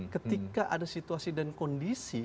ketika ada situasi dan kondisi